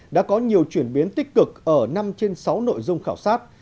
đã có nhiều chuyển biến tích cực ở năm trên sáu nội dung khảo sát